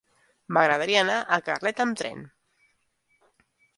M'agradaria anar a Carlet amb tren.